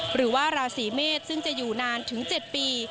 หรือว่าราศีเมษซึ่งจะอยู่นานถึง๗ปี